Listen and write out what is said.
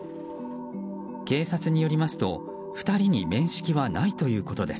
警察によりますと２人に面識はないということです。